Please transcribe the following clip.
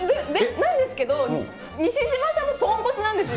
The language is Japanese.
なんですけど、西島さんもポンコツなんですよ！